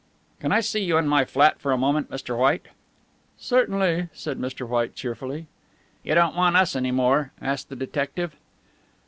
"Can I see you in my flat for a moment, Mr. White?" "Certainly," said Mr. White cheerfully. "You don't want us any more?" asked the detective.